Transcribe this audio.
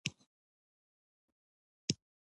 د خوراک سره الرجی لرئ؟ نه، هیڅ ستونزه نه لرم